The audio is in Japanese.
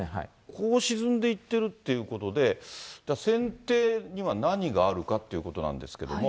こう沈んでいってるということで、じゃあ、船底には何があるかっていうことなんですけれども。